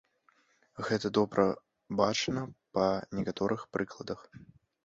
Гэта добра бачна па некаторых прыкладах.